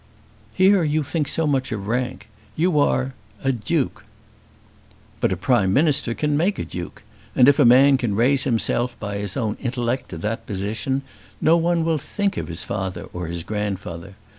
"Here you think so much of rank. You are a Duke." "But a Prime Minister can make a Duke; and if a man can raise himself by his own intellect to that position, no one will think of his father or his grandfather.